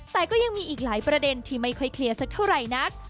แต่ก็ยังมีอีกหลายประเด็นที่ไม่ค่อยเคลียร์สักเท่าไหร่นัก